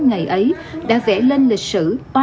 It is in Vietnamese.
ngày ấy đã vẽ lên lịch sử